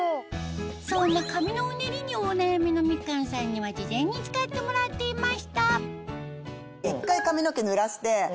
そんな髪のうねりにお悩みのみかんさんには事前に使ってもらっていました一回。